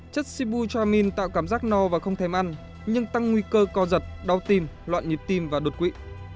chất sibu chomin tạo cảm giác no và không thèm ăn nhưng tăng nguy cơ co giật đau tim loạn nhịp tim và đột quỵ